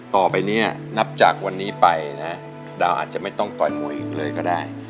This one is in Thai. ต่อไปเนี่ยนับจากวันนี้ไปนะดาวอาจจะไม่ต้องต่อยมวยอีกเลยก็ได้